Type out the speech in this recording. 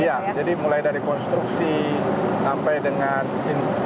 iya jadi mulai dari konstruksi sampai dengan ini